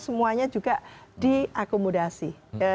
semuanya juga diakomodasi